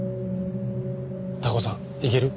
高尾さん行ける？